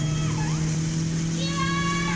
うきわ！